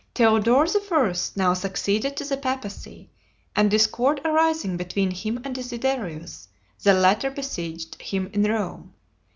Theodore I. now succeeded to the papacy, and discord arising between him and Desiderius, the latter besieged him in Rome.